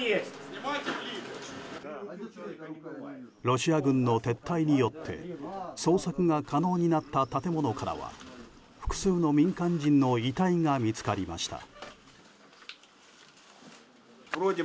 ロシア軍の撤退によって捜索が可能になった建物からは複数の民間人の遺体が見つかりました。